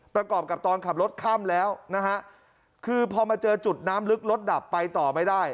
ประกอบกับตอนขับรถค่ำแล้วนะฮะคือพอมาเจอจุดน้ำลึกรถดับไปต่อไม่ได้